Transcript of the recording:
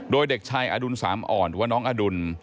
โดยเด็กชายอดุลสามอ่อนหรือว่าน้องอดุล